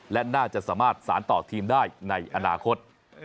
และน่าจะสามารถสารต่อทีมได้ในอนาคต